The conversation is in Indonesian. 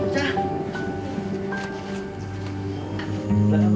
udah masuk dalam